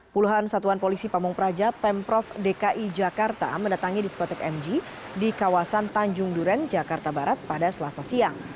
puluhan satuan polisi pamung praja pemprov dki jakarta mendatangi diskotek mg di kawasan tanjung duren jakarta barat pada selasa siang